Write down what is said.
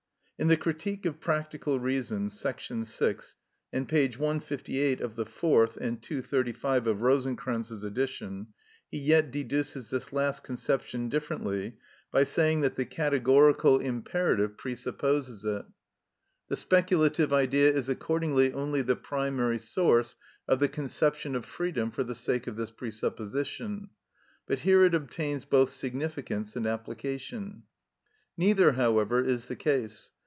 In the "Critique of Practical Reason," § 6, and p. 158 of the fourth and 235 of Rosenkranz's edition, he yet deduces this last conception differently by saying that the categorical imperative presupposes it. The speculative Idea is accordingly only the primary source of the conception of freedom for the sake of this presupposition, but here it obtains both significance and application. Neither, however, is the case.